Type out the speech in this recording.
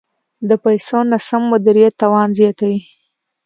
د پیسو ناسم مدیریت تاوان زیاتوي.